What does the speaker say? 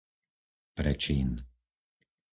Prečín